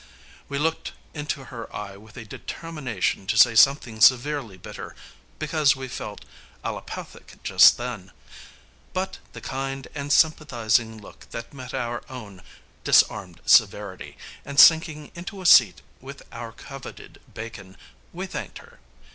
We looked into her eye with a determination to say something severely bitter, because we felt allopathic just then; but the kind and sympathizing look that met our own disarmed severity, and sinking into a seat with our coveted Bacon, we thanked her.